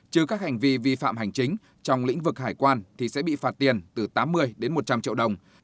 chứ các hành vi vi phạm hành chính trong lĩnh vực hải quan thì sẽ bị phạt tiền từ tám mươi đến một trăm linh triệu đồng